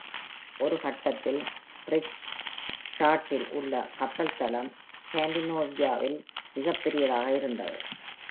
ஒரு கட்டத்தில் ஃபிரெட்ரிக்ஸ்டாட்டில் உள்ள கப்பல் தளம் ஸ்காண்டிநேவியாவில் மிகப்பெரியதாக இருந்தது